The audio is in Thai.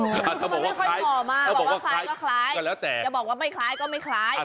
ถ้าบอกว่าคล้ายก็คล้ายถ้าบอกว่าไม่คล้ายก็ไม่คล้าย